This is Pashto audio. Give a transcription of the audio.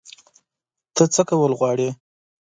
ته څه کول غواړې؟